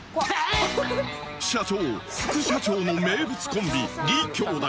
社長副社長の名物コンビ李兄弟。